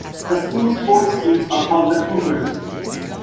The school's sports teams are called the 'Cougars'.